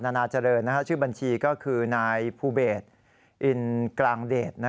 นานาเจริญชื่อบัญชีก็คือนายภูเบศอินกลางเดช